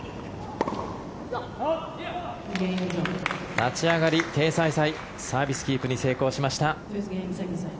立ち上がり、テイ・サイサイサービスキープに成功しました。